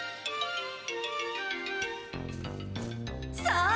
さあ